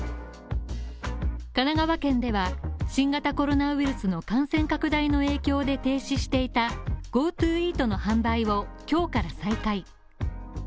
神奈川県では新型コロナウイルスの感染拡大の影響で停止していたＧｏＴｏイートの販売を今日から再開。